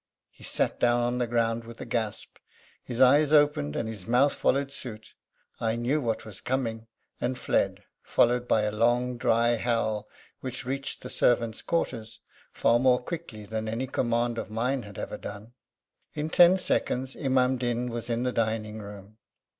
He sat down on the ground with a gasp. His eyes opened, and his mouth followed suit. I knew what was coming, and fled, followed by a long, dry howl which reached the servants' quarters far more quickly than any command of mine had ever done. In ten seconds Imam Din was in the dining room.